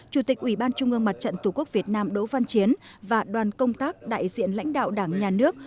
chủ tịch ủy ban trung ương mặt trận tổ quốc việt nam đỗ văn chiến và đoàn công tác đại diện lãnh đạo đảng nhà nước